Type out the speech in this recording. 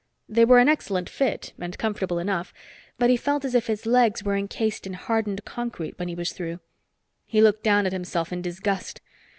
They were an excellent fit, and comfortable enough, but he felt as if his legs were encased in hardened concrete when he was through. He looked down at himself in disgust.